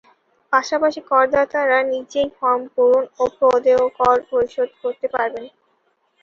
পাশাপাশি করদাতারা নিজেই ফরম পূরণ ও প্রদেয় কর পরিশোধ করতে পারবেন।